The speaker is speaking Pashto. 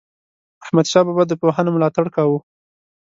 احمدشاه بابا د پوهانو ملاتړ کاوه.